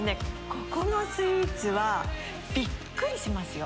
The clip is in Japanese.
ここのスイーツはビックリしますよ。